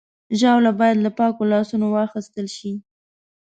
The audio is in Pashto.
ژاوله باید له پاکو لاسونو واخیستل شي.